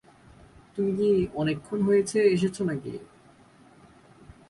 তুমি কি অনেকক্ষণ হয়েছে এসেছ নাকি?